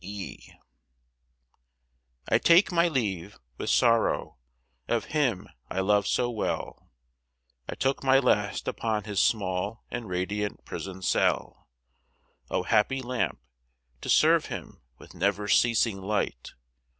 E.) I take my leave, with sorrow, of Him I love so well; I look my last upon His small and radiant prison cell; O happy lamp! to serve Him with never ceasing light!